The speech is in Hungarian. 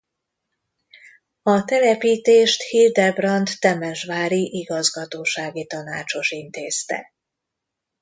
A telepítést Hildebrand temesvári igazgatósági tanácsos intézte.